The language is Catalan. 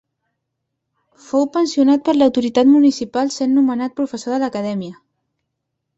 Fou pensionat per l'autoritat municipal sent nomenat professor de l'Acadèmia.